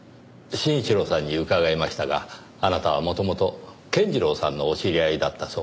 真一郎さんに伺いましたがあなたは元々健次郎さんのお知り合いだったそうですねぇ。